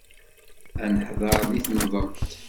Ad neḥdeṛ deg temḍelt.